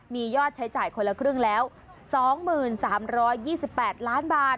มียอดใช้จ่ายคนละครึ่งแล้ว๒๓๒๘ล้านบาท